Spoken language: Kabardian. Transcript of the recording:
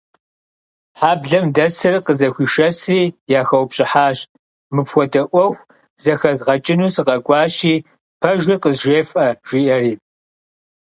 Хьэблэм дэсыр къызэхуишэсри, яхэупщӀыхьащ, мыпхуэдэ Ӏуэху зэхэзгъэкӀыну сыкъэкӀуащи, пэжыр къызжефӀэ, жиӀэри.